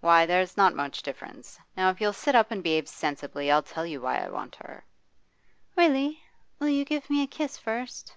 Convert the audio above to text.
'Why, there's not much difference. Now if you'll sit up and behave sensibly, I'll tell you why I want her.' 'Really? Will you give me a kiss first?